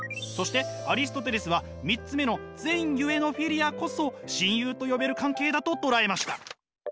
そしてアリストテレスは３つ目の善ゆえのフィリアこそ親友と呼べる関係だと捉えました。